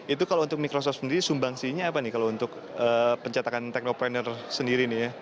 itu kalau untuk microsoft sendiri sumbangsinya apa nih kalau untuk pencetakan teknopreneur sendiri nih ya